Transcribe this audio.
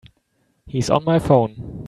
He's on my phone.